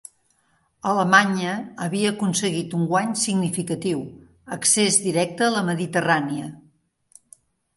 Alemanya havia aconseguit un guany significatiu: accés directe a la Mediterrània.